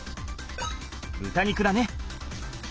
豚肉だね。